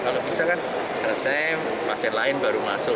kalau bisa kan selesai pasien lain baru masuk